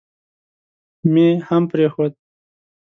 مې هم پرېښود.